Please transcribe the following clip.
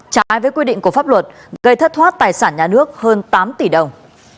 trái với quy định của pháp luật gây thất thoát tài sản nhà nước hơn tám tỷ đồng